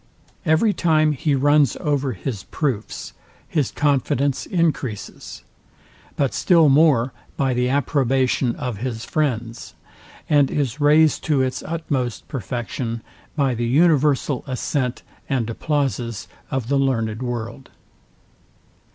Every time he runs over his proofs, his confidence encreases; but still more by the approbation of his friends; and is raised to its utmost perfection by the universal assent and applauses of the learned world.